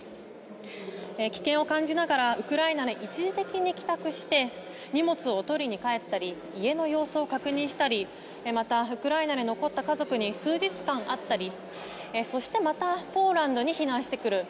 危険を感じながらウクライナに一時的に帰宅して荷物を取りに帰ったり家の様子を確認したりまた、ウクライナに残った家族に数日間会ったりそしてまたポーランドに避難してくる。